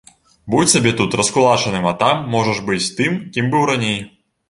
Будзь сабе тут раскулачаным, а там можаш быць тым, кім быў раней.